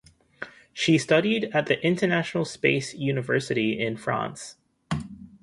She studied at the International Space University in France.